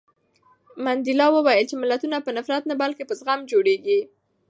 منډېلا وویل چې ملتونه په نفرت نه بلکې په زغم جوړېږي.